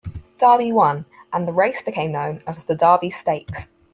Derby won, and the race became known as the Derby Stakes.